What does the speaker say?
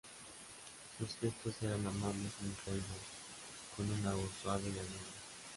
Sus gestos eran amables y distraídos, con una voz suave y aguda.